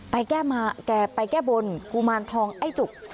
แกไปแก้บนกุมารทองไอ้จุก